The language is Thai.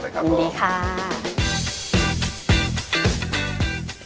ขอบคุณครับยินดีค่ะ